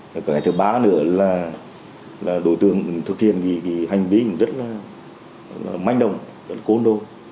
còn cái thứ ba nữa là đối tượng thực hiện hành vi rất là manh động rất là côn đồ